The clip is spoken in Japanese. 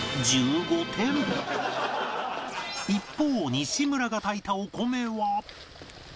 一方西村が炊いたお米は